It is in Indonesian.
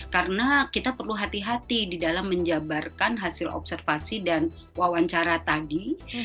karena kita perlu hati hati di dalam menjabarkan hasil observasi dan wawancara tadi